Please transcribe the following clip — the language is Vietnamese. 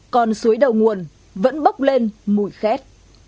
con suối đầu nguồn vẫn bốc lên mùi khét